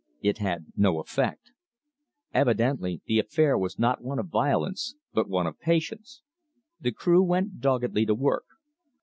It had no effect. Evidently the affair was not one of violence, but of patience. The crew went doggedly to work.